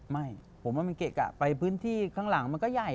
ไม่ผมว่ามันเกะกะไปพื้นที่ข้างหลังมันก็ใหญ่